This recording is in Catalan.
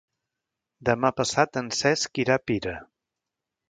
Demà passat en Cesc irà a Pira.